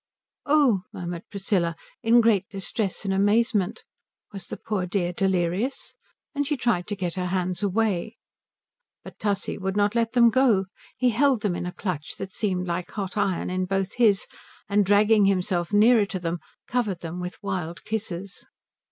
"Oh" murmured Priscilla, in great distress and amazement. Was the poor dear delirious? And she tried to get her hands away. But Tussie would not let them go. He held them in a clutch that seemed like hot iron in both his, and dragging himself nearer to them covered them with wild kisses.